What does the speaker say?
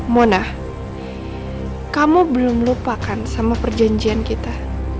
mona kamu belum lupakan sama perjanjian kita